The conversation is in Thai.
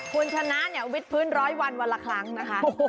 คุณชนะวิทย์พื้น๑๐๐วันวันละครั้งนะคะ